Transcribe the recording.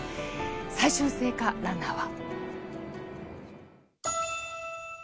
最終聖火ランナーは。